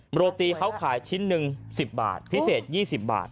โรตีเขาขายชิ้นหนึ่ง๑๐บาทพิเศษ๒๐บาท